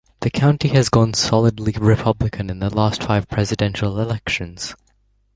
The county has gone solidly Republican in the last five Presidential elections.